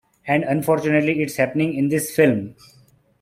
And unfortunately it's happening in this film.